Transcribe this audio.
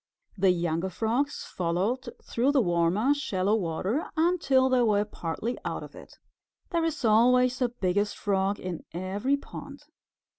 The younger Frogs followed through the warmer shallow water until they were partly out of it. There is always a Biggest Frog in every pond.